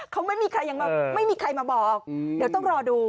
เขาไม่มีใครมาบอกเดี๋ยวต้องรอดู